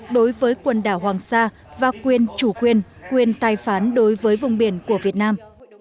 đối với quần đảo hoàng sa và quyền chủ quyền quyền tài phán đối với vùng biển của việt nam